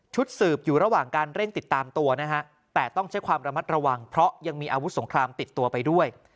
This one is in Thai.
สืบอยู่ระหว่างการเร่งติดตามตัวนะฮะแต่ต้องใช้ความระมัดระวังเพราะยังมีอาวุธสงครามติดตัวไปด้วย